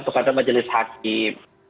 kepada majelis hakim